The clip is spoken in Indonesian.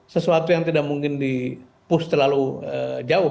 sesuatu yang tidak mungkin di push terlalu jauh